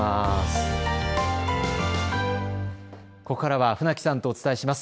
ここからは船木さんとお伝えします。